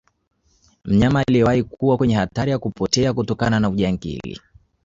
mnyama aliyewahi kuwa kwenye hatari ya kupotea kutokana na ujangili